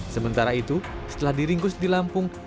sementara itu setelah diringkus di lampung